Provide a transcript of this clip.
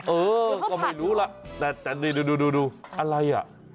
เออก็ไม่รู้ล่ะแต่นี่ดูอะไรอ่ะ